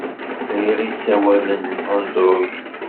Riɣ isawalen n Android.